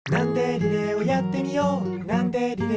リレーをやってみよう」